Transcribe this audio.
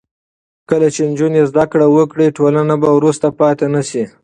کله چې نجونې زده کړه وکړي، ټولنه به وروسته پاتې نه شي.